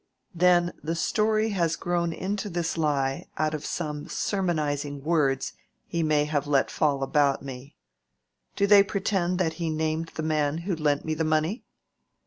"Then the story has grown into this lie out of some sermonizing words he may have let fall about me. Do they pretend that he named the man who lent me the money?"